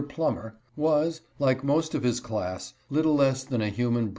Plummet, was, like most of his class, little less than a human b.